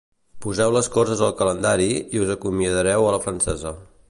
Poseu les coses al calendari i us acomiadeu a la francesa.